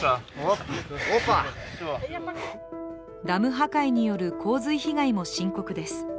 ダム破壊による洪水被害も深刻です。